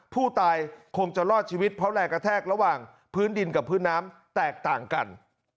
ผู้ตายคงจะรอดชีวิตเพราะแรงกระแทกระหว่างพื้นดินกับพื้นน้ำแตกต่างกัน